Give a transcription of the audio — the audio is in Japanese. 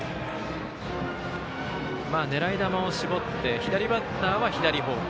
狙い球を絞って左バッターは左方向。